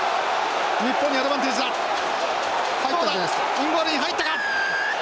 インゴールに入ったか？